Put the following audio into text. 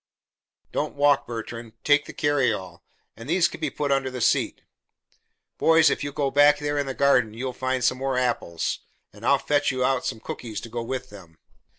"Don't walk, Bertrand; take the carryall, and these can be put under the seat. Boys, if you'll go back there in the garden, you'll find some more apples, and I'll fetch you out some cookies to go with them."